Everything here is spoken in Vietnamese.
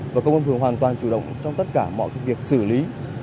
và công an phường hoàn toàn chủ động trong tất cả mọi việc xử lý